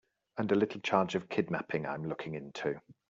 And a little charge of kidnapping I'm looking into.